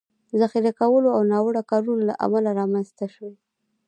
ذخیره کولو او ناوړه کارونې له امله رامنځ ته شوي